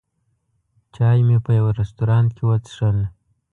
چای مې په یوه رستورانت کې وڅښل.